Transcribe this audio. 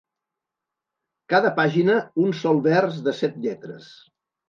Cada pàgina, un sol vers de set lletres.